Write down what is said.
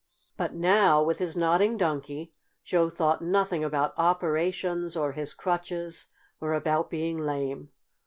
But now, with his Nodding Donkey, Joe thought nothing about operations, or his crutches, or about being lame.